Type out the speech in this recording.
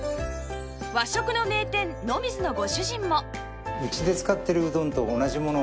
和食の名店の水のご主人も